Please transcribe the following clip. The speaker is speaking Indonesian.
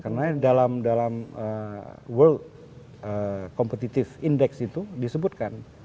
karena dalam world competitive index itu disebutkan